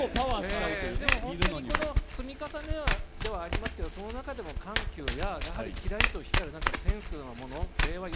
この積み重ねではありますけどその中でも緩急やきらりと光るセンス令和